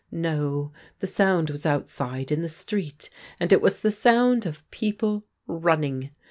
No, the sound was outside in the street, and it was the sound of people running.